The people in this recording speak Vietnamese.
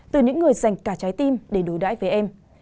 từ những người dành cả trái tim để đối đãi với em